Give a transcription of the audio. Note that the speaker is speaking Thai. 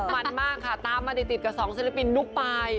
มันมากค่ะตามมาติดกับสองศิลปินลูกปลาย